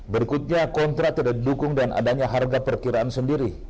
berikutnya kontrak tidak didukung dan adanya harga perkiraan sendiri